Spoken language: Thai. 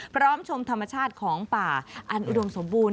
พร้อมชมธรรมชาติของป่าอันอุดวงสมบูรณ์